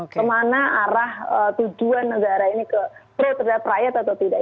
kemana arah tujuan negara ini pro terhadap rakyat atau tidak